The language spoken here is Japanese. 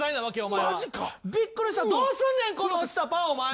びっくりしたどうすんねんこの落ちたパンお前。